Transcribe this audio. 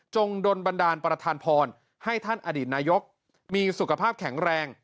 โดนบันดาลประธานพรให้ท่านอดีตนายกมีสุขภาพแข็งแรง